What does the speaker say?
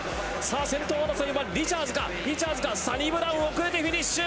先頭争いはリチャーズか、リチャーズか、サニブラウン、遅れてフィニッシュ。